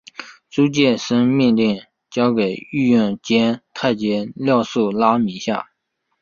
朱见深命令交给御用监太监廖寿拉名下。